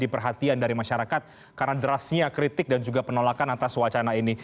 dan kemudian menjadi perhatian dari masyarakat karena derasnya kritik dan juga penolakan atas wacana ini